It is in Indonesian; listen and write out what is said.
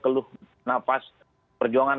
keluh nafas perjuangan